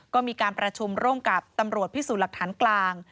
ก็มีการประชุมร่วมกับตำรวจพิสูจน์หลักฐานกลาง